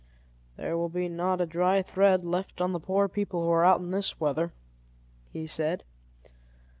"There will not be a dry thread left on the poor people who are out in this weather," he said.